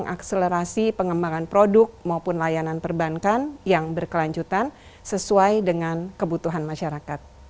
dan akan mengakselerasi pengembangan produk maupun layanan perbankan yang berkelanjutan sesuai dengan kebutuhan masyarakat